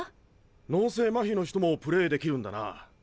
脳性マヒの人もプレーできるんだな。